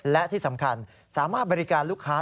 และที่สำคัญสามารถบริการลูกค้า